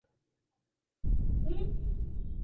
উৎস: Guatemala bank.